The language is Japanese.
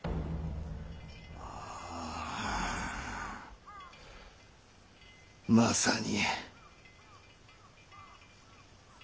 あまさに。